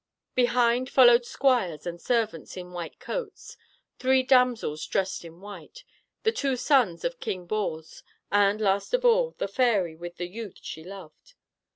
Behind followed squires and servants in white coats, three damsels dressed in white, the two sons of King Bors; and, last of all, the fairy with the youth she loved.